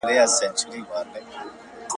د ریاضي په تدریس کي څه ډول بدلون راغلی دی؟